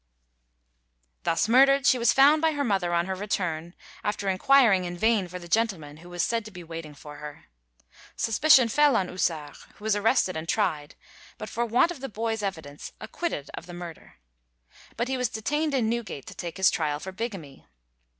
Thus murdered she was found by her mother on her return, after inquiring in vain for the gentleman who was said to be waiting for her. Suspicion fell on Houssart, who was arrested and tried, but for want of the boy's evidence acquitted of the murder. But he was detained in Newgate to take his trial for bigamy.